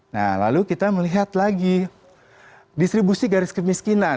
nah lalu kita melihat lagi distribusi garis kemiskinan